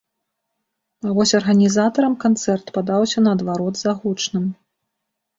А вось арганізатарам канцэрт падаўся наадварот загучным.